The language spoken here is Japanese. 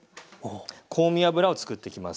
香味油をつくっていきます。